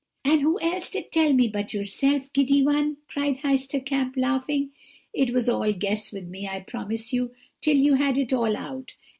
"'And who else did tell me but yourself, giddy one?' cried Heister Kamp, laughing. 'It was all guess with me, I promise you, till you had it all out.